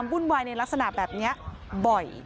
ช่องบ้านต้องช่วยแจ้งเจ้าหน้าที่เพราะว่าโดนฟันแผลเวิกวะค่ะ